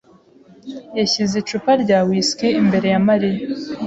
yashyize icupa rya whiski imbere ya Mariya.